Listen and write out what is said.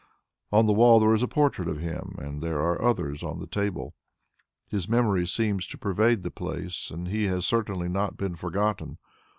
On the wall there is a portrait of him, and there are others on the table. His memory seems to pervade the place; he has certainly not been forgotten.